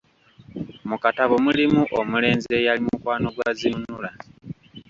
Mu katabo mulimu omulenzi eyali mukwano gwa Zinunula.